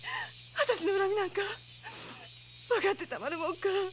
私の恨みなんか分かってたまるもんか！